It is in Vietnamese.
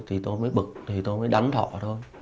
thì tôi mới bực thì tôi mới đánh thọ thôi